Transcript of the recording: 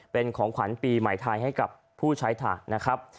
เป็นของขวัญปีใหม่ไทยให้กับผู้ใช้ฐานนะครับ